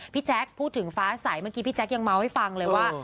แจ๊คพูดถึงฟ้าใสเมื่อกี้พี่แจ๊คยังเมาส์ให้ฟังเลยว่า